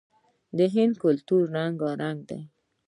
د هند کلتور رنګارنګ دی.